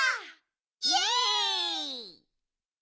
イエイ！